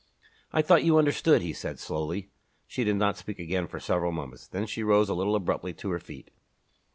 "I thought you understood," he said slowly. She did not speak again for several moments. Then she rose a little abruptly to her feet.